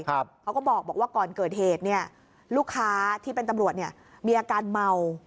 เขาก็บอกว่าก่อนเกิดเหตุเนี่ยลูกค้าที่เป็นตำรวจเนี่ยมีอาการเมา